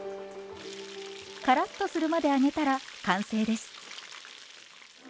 カラッとするまで揚げたら完成です。